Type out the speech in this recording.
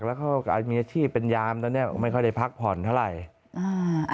แล้วเขามีอาชีพเป็นยามตอนนี้ไม่ค่อยได้พักผ่อนเท่าไหร่อ่า